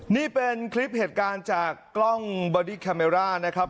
นี่เป็นคลิปเหตุการณ์จากกล้องบอดี้แคเมร่านะครับ